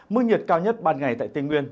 mức nhiệt cao nhất ban ngày tại tây nguyên